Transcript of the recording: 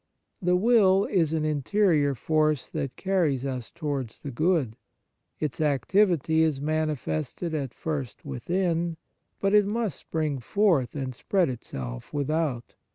The will is an interior force that carries us towards the good. Its activity is manifested at first within, but it must spring forth and spread itself without.